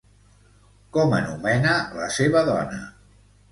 Com anomena la seva dona?